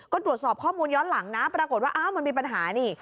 ก็ตรวจสอบข้อมูลย้อนหลังนะปรากฏว่าอ้าวมันมีปัญหานี่